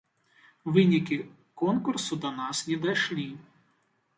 Вынікі конкурсу да нас не дашлі.